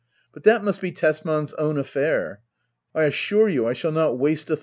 But that must be Tesman's own affair. I assure you I shall not waste a thought upon it.